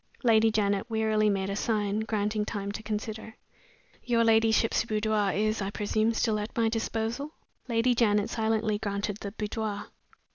Lady Janet wearily made a sign, granting time to consider. "Your ladyship's boudoir is, I presume, still at my disposal?" Lady Janet silently granted the boudoir.